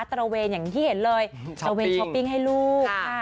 ตระเวนอย่างที่เห็นเลยตระเวนช้อปปิ้งให้ลูก